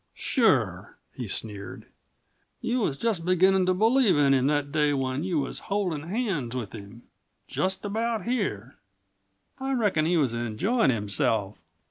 "Sure," he sneered, "you was just beginnin' to believe in him that day when you was holdin' hands with him just about here. I reckon he was enjoyin' himself."